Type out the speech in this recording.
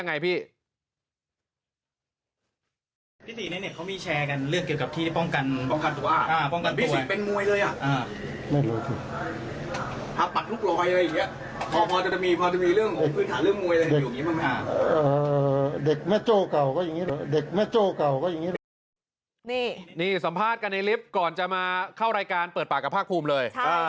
นี่สัมภาษณ์กันในลิฟต์ก่อนจะมาเข้ารายการเปิดปากกับภาคภูมิเลย